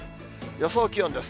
予想気温です。